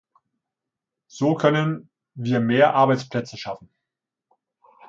So können wir mehr Arbeitsplätze schaffen.